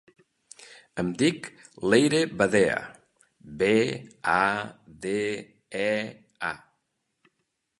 Em dic Leire Badea: be, a, de, e, a.